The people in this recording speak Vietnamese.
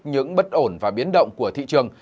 những bất ổn và biến động của thị trường